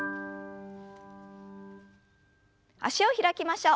脚を開きましょう。